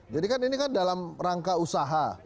jadi kan ini kan dalam rangka usaha